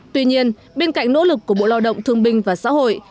tuy nhiên bên cạnh nỗ lực của bộ lao động thương binh và xã hội